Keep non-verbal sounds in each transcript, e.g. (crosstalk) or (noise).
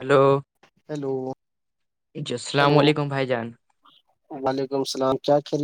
hello hello جی السلام علیکم بھائی جان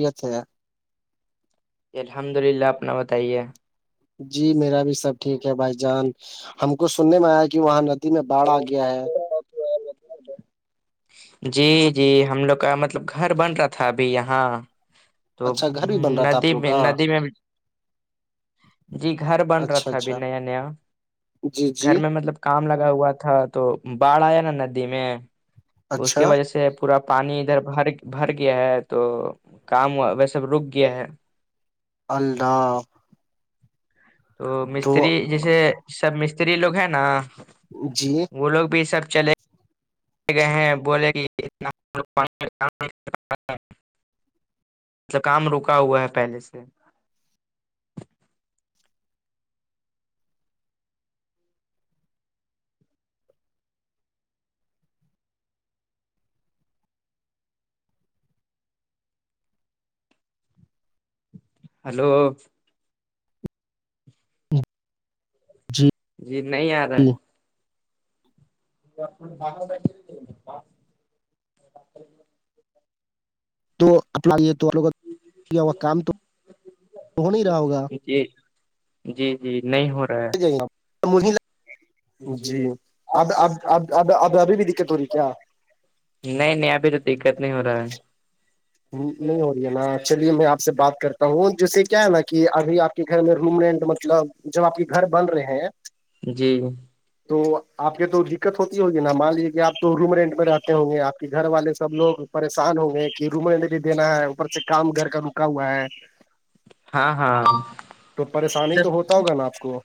ریت ہے (unintelligible) جی الحمد للہ اپنا بتائیے جی میرا بھی سب ٹھیک ہے بھائی جان ہم کو سننے میں آیا کہ وہاں میں باڑھ آ گیا ہے (unintelligible) جی جی ہم لوگ کا مطلب گھر بن رہا تھا ابھی یہاں تو اچھا گھر بھی بن رہا تھا ندی آپ لوگ میں کا ندی میں جی گھر بن رہا اچھا تھا ابھی اچھا نیا نیا جی گھر جی میں مطلب کام لگا ہوا تھا تو باڑھ آیا نا ندی میں اس کی اچھا وجہ سے پورا پانی ادھر بھر بھر گیا ہے تو کام وی سب رک گیا ہے اللہ تو مستری جیسے سب مستری لوگ ہیں نا جی وہ لوگ بھی سب چلے ے گئے ہیں بولے کہتنا (unintelligible) مطلب کام رکا ہوا ہے پہلے سے ہلو جی جی نہیں آ رہا ہے گا (unintelligible) تو اپنا یہ تووں کا ہو کام تو ہو نہیں رہا ہوگا جی جی جی نہیں ہو رہا ہے مہ جی اب اب اب اب اب ابھی بھی دقت ہو رہی ہے کیا نہیں نہیں ابھی تو دقت نہیں ہو رہا ہے نہیں ہو رہی ہے نا چلیے میں آپ سے بات کرتا ہوں جسے کیا ہے نا کہ ابھی آپ گھر میں گھوم رہے ہیں تو مطلب جب آپ کے گھر بن رہے ہیں جی تو آپ کے تو دقت ہوتی ہوگی نا مان لیے کہ آپ تو روم رینٹ میں رہتے ہوں گے آپ کے گھر والے سب لوگ پریشان ہوں گئے کہ رومے میرے دینا ہے اوپر سے کام گھر کا رکا ہوا ہے ہاں ہاں تو پریشانی تو ہوتا ہوگا نا آپ کو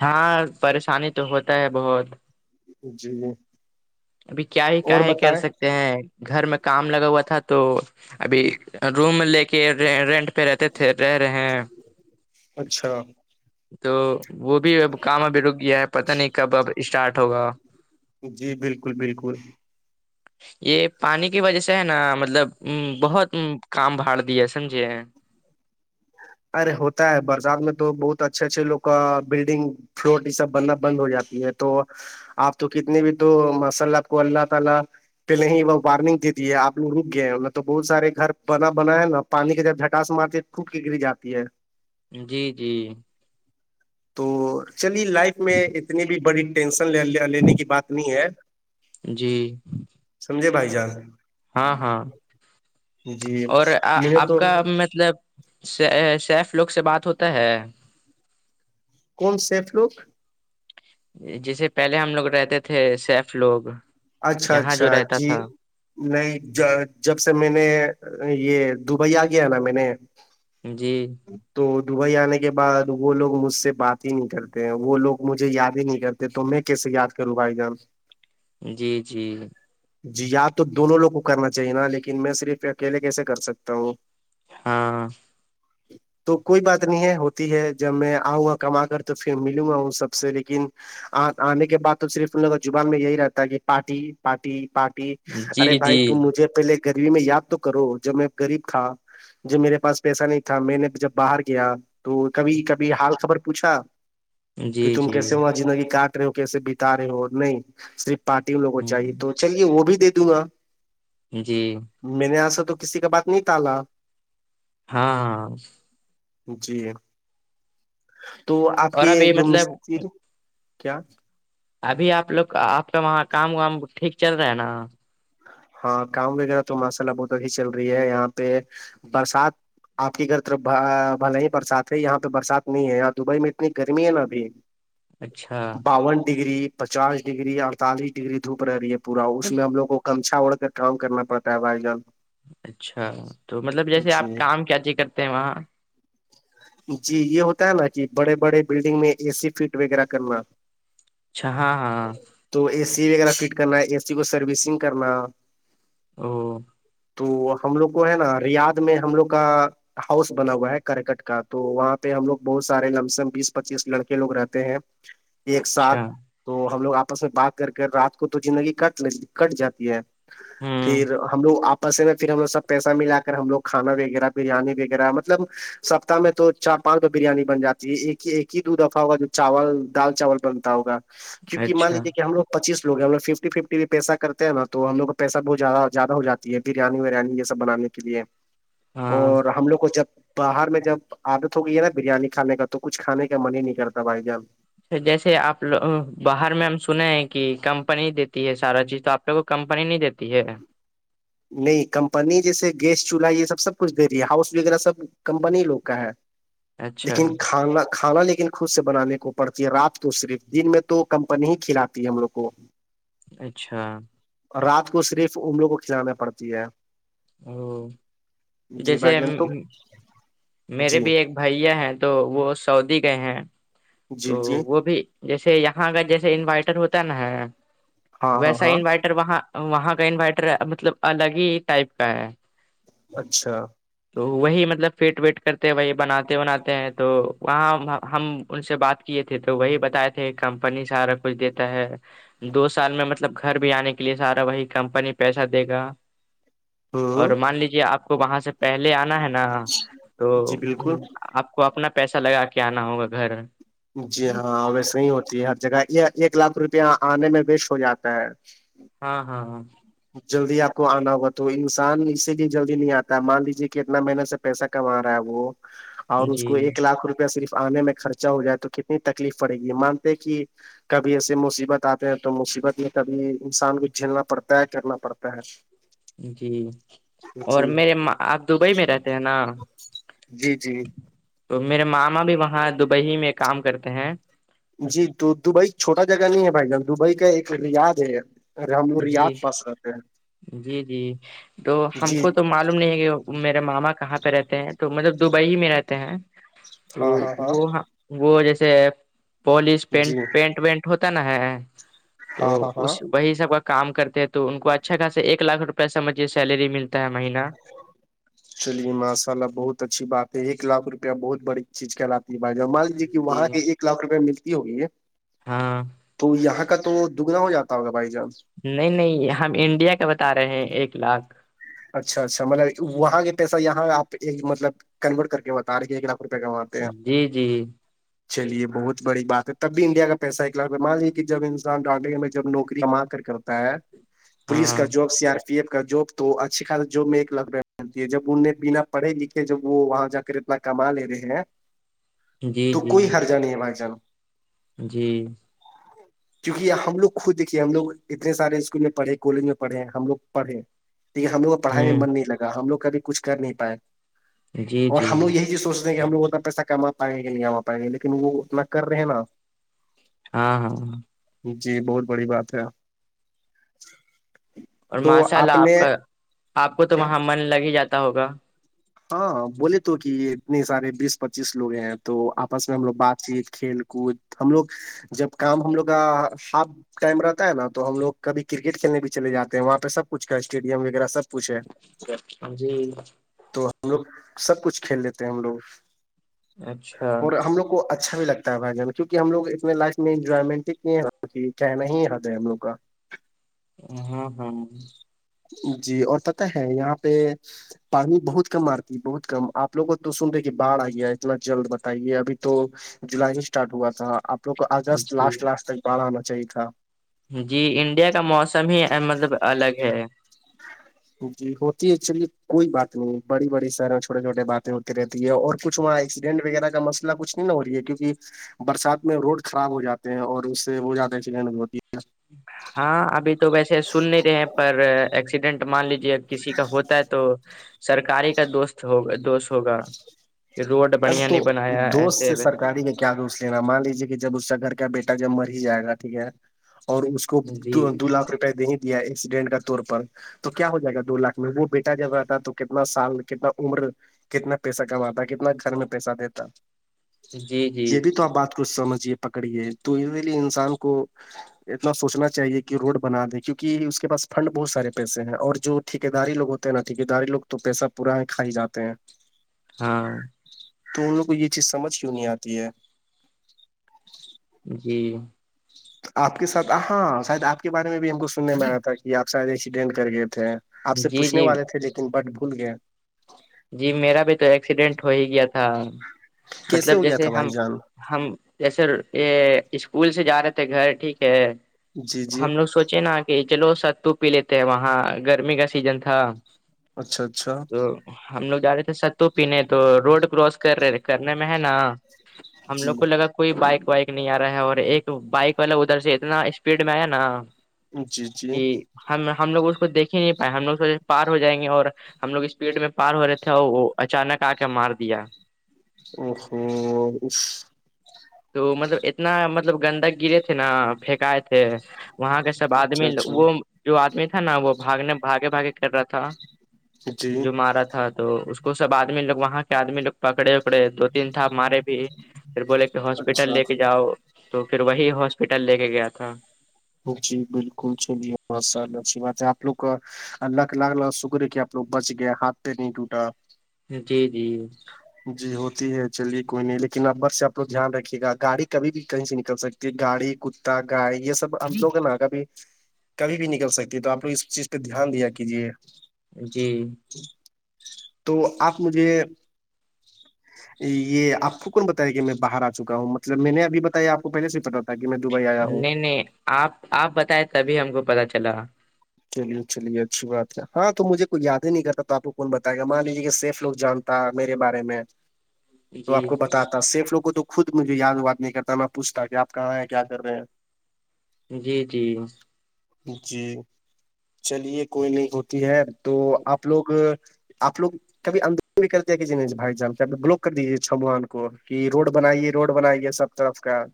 ہاں پریشانی تو ہوتا ہے بہت جی ابھی کیا ہی اور کاے کر بتائیں سکتے ہیں گھر میں کام لگا ہوا تھا تو ابھی روم لے کے رینٹ پہ رہتے تھے رہ رہے ہیں اچھا تو وہ بھی اب کام ابھی رک گیا ہے پتا نہیں کب اب اسٹارٹ ہوگا جی بالکل بالکل (unintelligible) یہ پانی کی وجہ سے ہے نا مطلب بہت کام بھاڑ د سمجھے ارے ہوتا ہے برسات میں تو بہت اچھے اچھے لوگ کا بلڈنگ فلوٹ یہ سب بننا بند ہو جاتی ہے تو اپ تو کتنے منٹو ماشاءاللہ اپ کو اللہ تعالی پہلے ہی وہ وارنگ دیتی ہے آ لگ رک گئے ہیں نے تو بہت سارے گھر بنا بنا ہے نا پانی کا جب جھٹا س مارتے خو ککری جاتی ہے جی جی تو چلیے لائف میں اتنی بھی بڑی ٹینشن ل لینے کی بات نہیں ہے جی سمجے بھائی جان ہاں ہاں جی اور آ مجھے آپ تو کا مطلب سیف لوگ سے بات ہوتا ہے کون سیف لوک جیسے پہلے ہم لوگ رہتے تھے سیف لوگ اچھا یہاں اچھا جو رہتا جی تھا نہیں جب سے میں نے یہ دبئی آ گیا نا میں نے جی تو دبئی آنے کے بعد وہ لوگ مجھ سے بات ہی نہیں کرتے ہیں وہ لوگ مجھے یاد ہی نہیں کرتے تو میں کیسے یاد کروں بھائی جان جی جی جی یا تو دونوں لوگ کو کرنا چاہیے نا لیکن میں صرف اکیلے کیسے کر سکتا ہوں ہاں (unintelligible) تو کوئی بات نہیں ہے ہوتی ہے جب میں آؤں گا کما کر تو پھر ملوں گا ہوں سب سے لیکن آ آنے کے بع تو صرف ان لوگوں کا زبان میں یہی رہتا ہے کہ پارٹی پارٹی پارٹی جی ارے بھائی تو جی مجھے پہلے گریبی میں یاد تو کرو جب میں غریب تھا جو میرے پاس پیسہ نہیں تھا میں نے جب باہر گیا تو کبھی کبھی حال خبر پوچھا کہ جی تم جی کیسے وہاں زندگی کاٹ رہے ہو کیسے بتا رہے ہو نہیں صرف پارٹی ان لگوں کو چاہیے ہوں، تو چلیے وہ بھی دے دوں گا جی میں نے ایسا تو کسی کا بات نہیں ٹالا ہاں جی تو آپ اور کے ابھی جو مطلب مستری کیا ابھی آپ لوگ کا آپ کا وہاں کام وام ٹھیک چل رہا ہے نا ہاں گاؤں وغیرہ تو ماشاءلہ بہت اچھی چل رہی ہے یہاں پہ برسات آپ کے گھر طر بھل ہی برسات ہے یہاں پہ برسات نہیں ہے دبئی میں اتنی گرمی ہے نا ابھی اچھا باون ڈگری پچاس ڈگری اڑتالیس ڈگری دھوپ رہی ہے پورا اس میں ہم لوگ کو کمچا اوڑ کر کام کرنا پڑتا ہے بھائی جان اچھا تو مطلب جیسے جی آپ کام کیا چی کرتے ہیں وہاں جی یہ ہوتا ہے نا کہ بڑے بڑے بلڈنگ میں اے سی فٹ وغیرہ کرنا اچھا ہاں ہاں ہاں تو اے سی وغیرہ فٹ کرنا اے سی کو سروسنگ کرنا او تو ہم لوگ کو ہے نا ریاد میں ہم لوگ کا ہاؤس بنا ہوا ہے کرکٹ کا تو وہاں پہ ہم لوگ بہت سارے لم سےم بیس پچیس لڑکے لوگ رہتے ہیں ایک ساتھ اچھا تو ہم لوگ آپس میں بات کر کر رات کو تو زندگی کٹ ل کٹ جاتی ہے ہوں پھر ہم لوگ آپس میں پھر ہم لوگ سب پیسہ ملا کر ہم لوگ کھانا وغیرہ بریانی وغیرہ مطلب سپتہ میں تو چار پانچ دو بریانی بن جاتی ہے ایک ہی ایک ہی دو دفعہ ہوگا جو چاول دال چاول بنتا ہوگا کیونکہ مان اچھا لیجیے کہ ہم لوگ پچیس لوگ ہموگ ففٹی ففٹی بھی پیہ کرتے ہیں نا تو ہم لو کو پیسہ بہت زیاہ زیادہ ہو جات ہے بریانی ریانی یہ سب بنانے کے لیے ہاں اور ہم لوگ کو جب باہر میں جب عادت ہو گئی ہے نا بریانی کھانے کا تو کچھ کھانے کا من ہی نہیں کرتا بھائی جان جیسے آپ باہر میں ہم سنے ہیں کہ کمپنی دیتی ہے سارا چیز تو آپ کو کمپنی نہیں دیتی ہے نہیں کمپنی جیسے گیس چولہا یہ سب سب کچھ دے رہی ہے ہاؤس وغیرہ سب کمپنی لوگ کا ہے اچھا لیکن کھانا کھانا لیکن خود سے بنانے کو پڑتی ہے رات تو صرف دن میں تو کمپنی ہی کھلاتی ہے ہم لوگ کو اچھا رات کو صرف املوں کو کھلانا پڑتی ہے ا جی جس بھائی جان تو میرے جی بھی ایک بھیا ہیں تو وہ سعودی گئے ہیں تو جی جی وہ بھی جیسے یہاں اگر جیسے انورائٹر ہوتا نا ہاں ہاں ویسا ہاں انوٹر وہاں وہاں کا انورٹر مطلب الگ ہی ٹائپ کا ہے اچھا تو وہی مطلب فیٹ ویٹ کرتے ہیں وہی بناتے وناتے ہیں تو وہاں ہم ان سے بات کیے تھے تو وہی بتائے تھے کمپنی سارا کچھ دیتا ہے دو سال میں مطلب گھر بھی آنے کے لیے سارا وہی کمپنی پیسہ دے گا اور ہوں مان لیجے آپ کو وہاں سے پہلے آنا ہے نا تو جی بالکل آپ کو اپنا پیسہ لگا کے آنا ہوگا گھر جی ہاں ویسے ہی ہوتی ہے ہر جگہ یہ ایک لاکھ روپیہ آنے میں ویسٹ ہو جاتا ہے ہاں ہاں ہاں جلدی آپ کو آنا ہوگا تو انسان اس سے لی جلدی نہیں آتا مان لیجیے کہ اتنا مہیننے سے پیسہ کما رہا ہے وہ اور اس جی کو ایک لاکھ روپیہ صرف آنے میں خرچ اا ہو جائے تو کتنی تکلیف پڑے گی مانتے ہیں کہ کبھی ایسے مصیبت آتے ہیں تو مصیبت میں کبھی انسان کو جھیلنا پڑتا طے کرنا پڑتا ہے جی اور جی میرے آپ دبئی میں رہتے ہیں نا جی جی تو میرے ماما بھی وہاں دبئی میں کام کرتے ہیں جی تو دبئی چھوٹا جگہ نہیں ہے بھائی جان دبئی کا ایک یاد ہے ہم لوگ جی ریاض پاس رہتے جی جی تو ہیں ہم جی کو تو م معوم نہیں ہے کہ میرے ماما کہاں پہ رہتے ہیں تو مطلب دبئی ہی میں رہتے ہیں ہاں تو ہاں ہاں وہ وہ جیسے پالش پینٹ جی پینٹ وینٹ ہوتا نا ہے تو ہاں ہاں اس ہاں وہی سب کا کام کرتے ہیں تو ان کو اچھا خاصا ایک لاکھ روپئے سمجھے سیلری ملتی ت مہینہ چلیے ماشاء اللہ بہت اچھی بات ہے ایک لاکھ روپیہ بہت بڑی چیز کہلاتی ہے بائی اور مان لیجیے کہ جی وہاں کے ایک لاکھ روپئے ملتی ہوگی ہے ہاں تو یہاں کا تو دگنا ہو جاتا ہوگا بھائی جان نہیں نہیں ہم انڈیا کا بتا رہے ہیں ایک لاکھ اچھا اچھا مطلب وہاں کے پیسہ یہاں آپ ایک مطلب کنورٹ کر کے ہوتا آارے ایک لھ روپ کمان جی جی جی چلیے بہت بڑی بات ہے تب بھی انڈیا کا پیسہ اکلاق ماںے کہ جب انسان ڈانٹ دے کہ میں جب نوکری ماں کر پولیس ہاں کا job C R P F کا جاب تو اچھی خاص جاب میں ایک لگ رہا ج جب ان نے بنا پڑھے لکھے جب وہ وہاں جا کر اتنا کما لے رہے ہیں جی تو جی کوئی ہر ج نہیں ہے بھگ جان جی جی کیونک ہم لوگ خود دیکھیے ہم لوگ اتنے سارے اسکول میں پڑھے کالج میں پڑھے ہیں ہم لوگ پڑھے لیکن ہم لوگ کو پڑھائی میں ہوں من نہیں لگا ہم لوگ کبھی کچھ کر نہیں پائے جی اور جی ہم لوگ یہی چیز سوچتے ہیں کہ ہم لوگ اتنا پیسہ کما پائیں گے نہیں آما پائیں گے لیکن وہ اتنا کر رہے ہیں نا ہاں ہاں ہاں جی بہت بڑی بات ہے اور تو ماشاء اللہ آپ نے کا آپ کو تو کیا وہاں من لگ ہی جاتا ہوگا ہاں بولے تو کہ اتنے سارے بیس پچیس لوگ ہیں تو آپس میں ہم لوگ بات چیت کھیل کود ہم لوگ جب کام ہم لوگ کا ہاف ٹائم رہتا ہے نا تو ہم لوگ کب کرکٹ کھیلنے بھی چلے جاتے ہیں وہاں پہ سب کچھ کا اسٹیڈیم وغیرہ سب کچھ ہے ہاں جی ہم لوگ سب کچھ کھیل لیتے ہیں ہم لوگ اچھا اور ہم لوگ کو اچھا بھی لگتا ہے بھائی جان میں کیک ہم لوگ اتنے لائف میں انجوائمنٹ ہی کہنا ہی رہتا ہے ہم لگ کا ہاں ہاں جی اور پتہ ہے یہاں پہ پانی بہت کم مارتی ہے بہت کم آپوگوں تو سنتے کہ باڑھ آئییا اتنا جلد بتائیے ابھی تو جولائی نہیں اسٹارٹ ہوا تھا آپ لوگ کو اگست جی لاسٹ لاسٹ تک باڑھ آنا چاہیے تھا جی انڈیا کا موسم ہی مطلب الگ ہے جی ہوتی ہے ایکچولی کوئی بات نہیں بڑی بڑی شہر چھوٹے چھوٹے باتیں ہوتی رہتے اور کچھ وہاں ایکسیڈنٹ وغیرہ کا مسئلہ کچھ نہیں نہ ہو رہی ہے کیکہ برسات میں روڈ خراب ہو جاتے ہیں اور اس سے وہ زیادہ ایکسیڈنٹ ہوتی ہے ہاں ابھی تو ویسے سن نہیں رہے ہیں پر ایکسیڈنٹ مان لیجے کسی کا ہوتا ہے تو سرکاری کا دوست ہوگا دوست ہوگا کہ روڈ ہے بڑھیا اب نہیں تو بنایا دوست ایسے سے ویسے سرکاری کا کیا اس لینا مان لیجیے کہ جب اس کا گھر کا بیٹا جب مر ہی جائے گا ٹھیک ہے اور اس کو جی دو لاکھ روپئے نہیں دیا ایکسیڈنٹ کا طور پر تو کیا ہو جائے گا دو لاکھ میں وہ بیٹا جب آتا تو کتنا سال کتنا عمر کتنا پیسہ کماتا کتنا گھر میں پیسہ دیتا جی جی یہ بھی تو آپ بات کچھ سمجھیے پکڑیے تو اسی لیے انسان کو اتنا سوچنا چاہیے کہ روڈ بنا دے کیونکہ اس کے پاس فھنڈ بہت سارے پیسے ہیں اور جو ٹھیکے داری لگ ہوتے ہیں نا ٹھیکے داری لوگ تو پیسہ پورا ہے کھائی جاتے ہیں ہاں تو ان لوگ کو یہ چیز سمجھ کیوں نہیں آتی ہے جی آپ کے ساتھ ہاں شاید آپ کے بارے میں بھی ہم کو سننے میں آیا تھا کہ آپ شاید ایکسیڈینٹ کر گئے تھے آپ سے جی پوچھنے جی والے تھے لیکن بٹ بھول گئے جی میرا بھی تو ایکسیڈینٹ ہو ہی گیا تھا کیسے مطلب ہو گیا جیسے تھا بھائی ہم جان ہم جسے یہ اسکول سے جا رہے تھے گھر ٹھیک ہے جی جی ہم لوگ سوچے نا کہ چلو سو پی لیتے ہیں وہاں گرمی کا سیزن تھا اچھا اچھا تو ہم لوگ جا رہے تھے ستو پینے تو روڈ کراس کر رہے تھے کرنے میں ہے نا ہم جی لوگ کو لگا کوئی بائک وائک نہیں آ رہا ہے اور ایک بائک والا ادھر سے اتنا اسپیڈ میں آیا نا جی جی کہ ہم ہم لوگ اس کو دیکھ ہی نہیں پائے ہم لوگ سوچ پار ہو جائیں گے اور ہم لوگ اسپیڈ میں پار ہو رہے تھے اور وہ اچانک آ کے مار دیا او تو مطلب اتنا مطلب گندگ گرے تھے نا پھینکائے تھے وہاں کا سب آدمی وہ اچھا جو آدمی تھا نا وہ بھاگنے بھاگے بھاگے کر رہا تھا جی جو مارا تھا تو اس کو سب آدمی لوگ وہاں کے آدمی لوگ پکڑے پڑے دو تین تھا مارے بھی پھر بولے کہ ہاسپٹل اچھا لے کے جاؤ تو پھر وہی ہاسپٹل لے کے گیا تھا جی بالکل چلی سرچ م آپ لو کا اللہگ لگ لگ سکریے کہ آ لگ بچ گئے ہاتھ پہ نہیں ٹوٹا جی جی جی ہوتی ہے چلیے کوئی نہیں لیکن ابر سے آپ ل دھیان رکھیے گا گاڑی کبھی بھی کہیں سے نکل سکتی گاڑی کتا گائے یہ سب آپ لوگ ہیں نا کبھی کبھی بھی نکل سکتی ہے تو آپ لوگ اس چیز پہ دھیان دیا کیجیے جی تو آپ مجھے یہ آپ کون بتایا کہ میں باہر آ چکا ہوں مطلب میں نے ابھی بتایا آپ کو پہلے سے پتا تھا کہ میں دبئی آیا ہوں نہیں نہیں آپ آپ بتائے تبھی ہم کو پتا چلا چلیے چلیے اچھی بات ہے ہاں تو مجھے کوئی یاد ہی نہیں کرتا تو آپ کون بتائے گا مان لیجیے کہ سیف لوگ جانتے میرے بارے میں تو جی آپ کو بتاتا سیف لوگوں تو خود مجھے یاد وات نہیں کرتا میں پوچھتا کہ آپ کہاں ہیں کیا کر رہے ہیں جی جی جی چلیے کوئی نہیں ہوتی ہے تو آپ لوگ آپ لوگ کبھی اندرو بھی کرتے کہ ج بھائی جان بلوک کر دیجیے چھوان کو کہ روڈ بنائیے روڈ بنائیے سب نمسکار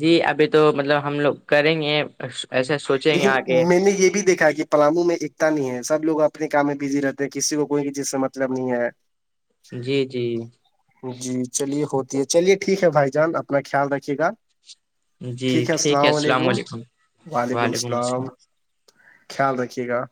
جی ابھی تو مطلب ہم لوگ کریں گے ا ایسے لیکن میں نے یہ بھی دیکھا کہ پلامو میں ایکتا نہیں ہے سب لوگ اپنے کام میں بزی رہتے ہیں کسی کو کوئی بھی چیز سے مطلب نہیں ہے جی جی جی چلیے ہوتی ہے چلیے ٹھیک ہے بھائی جان اپنا خیال رکے گا ٹھیک ہے السلام علیکم وعلیکم السلام خیال رکھیے گا